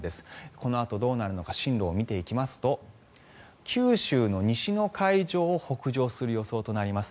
このあとどうなるのか進路を見ていきますと九州の西の海上を北上する予想となります。